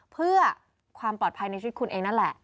เพื่อความปลอดภัยในชีวิตคุณเองนั่นแหละ